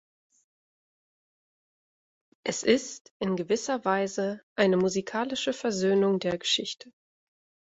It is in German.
Es ist, in gewisser Weise, eine „musikalische Versöhnung“ der Geschichte.